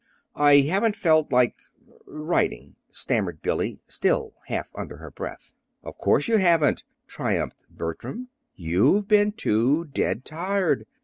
"I haven't felt like writing," stammered Billy, still half under her breath. "Of course you haven't," triumphed Bertram. "You've been too dead tired.